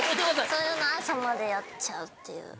そういうの朝までやっちゃうっていう。